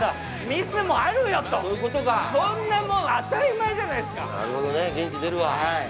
ミスもあるよと、そんなもん当たり前じゃないすか。